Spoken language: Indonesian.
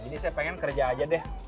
jadi saya pengen kerja aja deh